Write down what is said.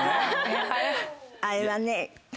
あれはね。